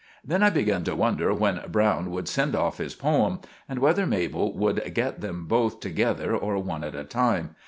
Then I began to wonder when Browne would send off his poem, and wether Mabel would get them both together or one at a time.